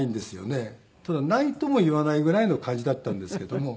ただないとも言わないぐらいの感じだったんですけども。